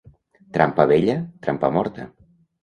Trampa vella, trampa morta.